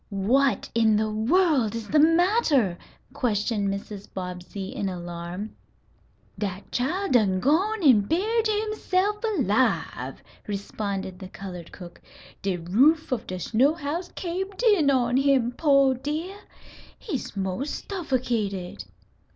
"What in the world is the matter?" questioned Mrs. Bobbsey, in alarm. "Dat chile dun gwine an' buried himself alive," responded the colored cook. "De roof of de snow house cabed in on him, pooh dear! He's 'most stuffocated!"